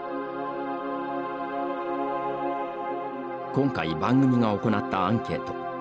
今回、番組が行ったアンケート。